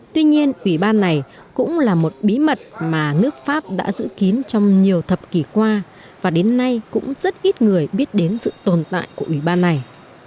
tuy nhiên ủy ban này cũng là một bí mật mà nước pháp đã giữ kín trong nhiều thập kỷ qua và đến nay cũng rất ít người biết đến sự tồn tại của ủy ban này